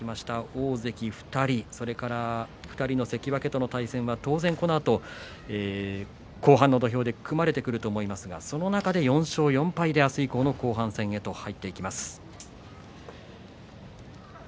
大関２人それから２人の関脇との対戦はこのあと当然、後半の土俵で組まれてくると思いますがその中で４勝４敗で明日以降の後半戦へと入っていきます。